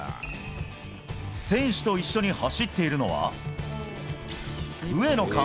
選手と一緒に走っているのは。